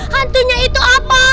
hantunya itu apa